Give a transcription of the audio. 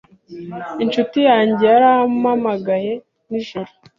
Inshuti yanjye yarampamagaye nijoro.